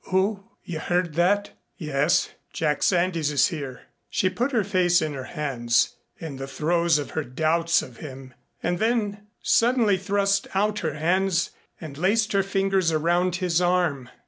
"Oh, you heard that?" "Yes. Jack Sandys is here." She put her face in her hands in the throes of her doubts of him and then suddenly thrust out her hands and laced her fingers around his arm.